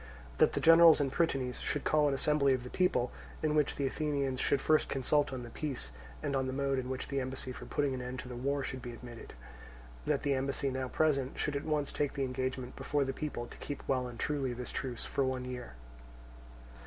That the generals and prytanes should call an assembly of the people, in which the Athenians should first consult on the peace, and on the mode in which the embassy for putting an end to the war should be admitted. That the embassy now present should at once take the engagement before the people to keep well and truly this truce for one year.